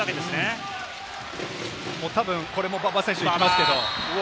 たぶんこれも馬場選手、行きますけれど。